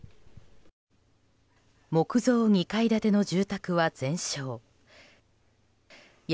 木造２階建ての住宅は全焼。